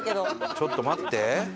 ちょっと待って。